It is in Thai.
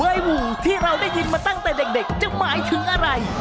หมู่ที่เราได้ยินมาตั้งแต่เด็กจะหมายถึงอะไร